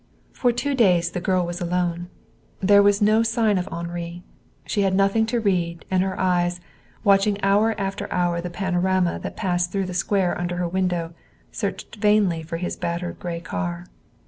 For two days the girl was alone. There was no sign of Henri. She had nothing to read, and her eyes, watching hour after hour the panorama that passed through the square under her window, searched vainly for his battered gray car.